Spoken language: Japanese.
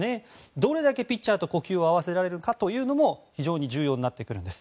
どれだけピッチャーと呼吸を合わせられるかも非常に重要になってくるんです。